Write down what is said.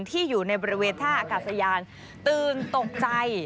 ที่อยู่ในบริเวณท่าอากาศยานตื่นตกใจ